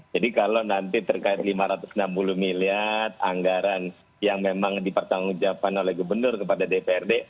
jadi kalau nanti terkait lima ratus enam puluh miliar anggaran yang memang dipertanggung jawaban oleh gubernur kepada dprd